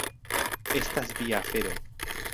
Estas via afero.